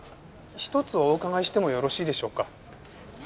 一つお伺いしてもよろしいでしょうか？